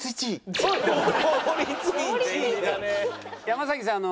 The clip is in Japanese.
山崎さん